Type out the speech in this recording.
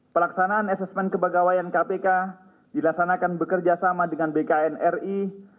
pelaksanaan asesmen kepegawaian kpk dilaksanakan bekerjasama dengan bknri